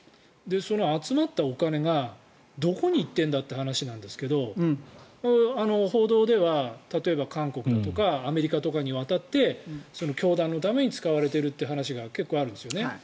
その集まったお金がどこに行っているんだという話ですが報道では韓国とかアメリカに渡って教団のために使われているという話が結構あるんですよね。